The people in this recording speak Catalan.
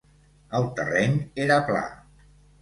El terreny era pla.